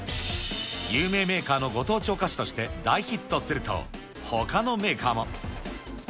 有名メーカーのご当地お菓子として大ヒットすると、ほかのメーカーも。